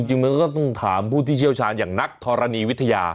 จริงมันก็ต้องถามผู้ที่เชี่ยวชาญอย่างนักธรณีวิทยา